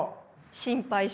心配性。